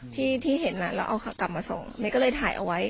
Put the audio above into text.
ที่ที่เห็นแล้วเอากลับมาส่งเมย์ก็เลยถ่ายเอาไว้